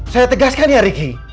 saya tegaskan ya riki